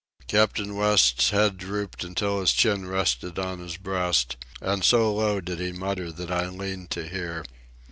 Captain West's head drooped until his chin rested on his breast, and so low did he mutter that I leaned to hear.